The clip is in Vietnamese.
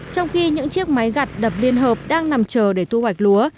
trong khi những chiếc máy gặt đập liên hợp đang nằm chờ để thu hoạch lúa